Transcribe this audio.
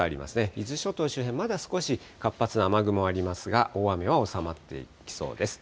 伊豆諸島周辺、まだ少し活発な雨雲ありますが、大雨はおさまってきそうです。